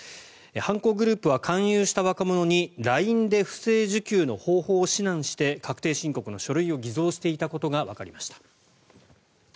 犯行グループは勧誘した若者にＬＩＮＥで不正受給の方法を指南して確定申告の書類を偽造していたことがわかりました。